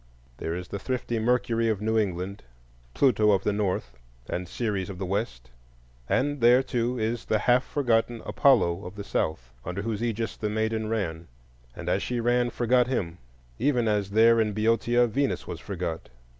There is the thrifty Mercury of New England, Pluto of the North, and Ceres of the West; and there, too, is the half forgotten Apollo of the South, under whose aegis the maiden ran,—and as she ran she forgot him, even as there in Boeotia Venus was forgot.